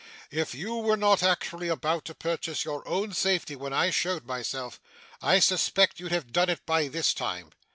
If you were not actually about to purchase your own safety when I showed myself, I suspect you'd have done it by this time.